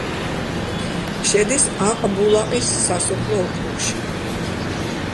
შედის აყბულაყის სასოფლო ოკრუგში.